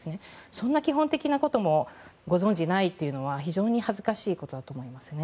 そんな基本的なこともご存じないというのは非常に恥ずかしいことだと思います。